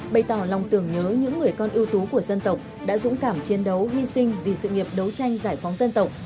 bày tỏ lòng tưởng nhớ những người con ưu tú của dân tộc đã dũng cảm chiến đấu hy sinh vì sự nghiệp đấu tranh giải phóng dân tộc